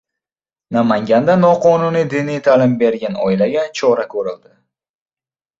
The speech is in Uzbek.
Namanganda noqonuniy diniy ta’lim bergan oilaga chora ko‘rildi